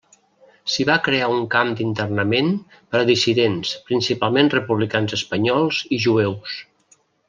S'hi va crear un camp d'internament per a dissidents, principalment republicans espanyols i jueus.